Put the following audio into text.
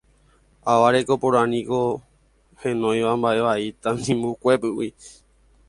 Ava reko porãniko heñóiva mba'evai tanimbukuégui